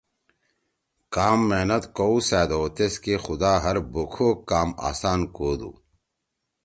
کام محنت کؤسأدو تیس کے خدا ہر بُوکھو کام آسان کودُو۔